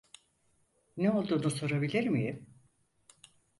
Ne olduğunu sorabilir miyim?